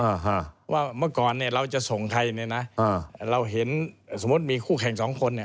เพราะว่าเมื่อก่อนเราจะส่งไทยเราเห็นสมมุติมีคู่แข่ง๒คน